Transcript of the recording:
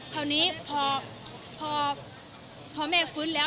คราวนี้พอแม่ฟื้นแล้ว